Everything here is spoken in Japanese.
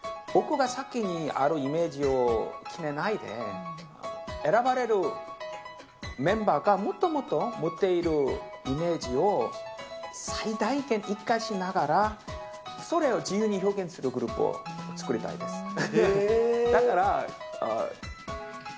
僕が先にあるイメージを決めないで、選ばれるメンバーがもともと持っているイメージを最大限に生かしながら、それを自由に表現するグループを作りたいです。